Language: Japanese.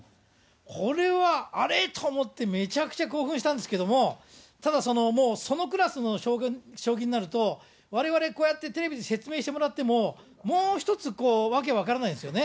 これはあれ？と思って、めちゃくちゃ興奮したんですけれども、ただもうそのクラスの将棋になると、われわれこうやってテレビで説明してもらっても、もう一つ、訳分からないんですよね。